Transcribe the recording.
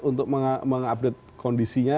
untuk mengupdate kondisinya